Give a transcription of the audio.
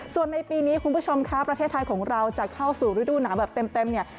ส่วนในปีนี้คุณผู้ชมคะประเทศไทยของเราจะเข้าสู่ฤดูหนาวแบบเต็มเนี่ย